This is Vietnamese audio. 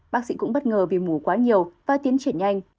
bác sĩ cũng bất ngờ vì mù quá nhiều và tiến triển nhanh